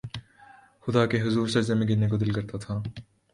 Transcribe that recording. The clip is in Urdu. خدا کے حضور سجدے میں گرنے کو دل کرتا تھا